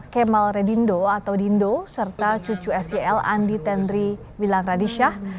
kemal redindo atau dindo serta cucu sel andi tendri milang radisyah